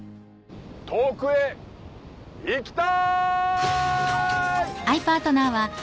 遠くへ行きたい！